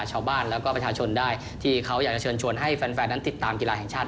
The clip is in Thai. ชาวบ้านแล้วก็ประชาชนได้ที่เขาอยากจะเชิญชวนให้แฟนแฟนนั้นติดตามกีฬาแห่งชาติ